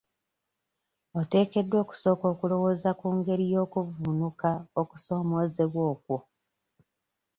Oteekeddwa okusooka okulowooza ku ngeri y'okuvvuunuka okusoomoozebwa okwo.